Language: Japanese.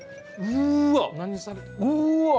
うわ！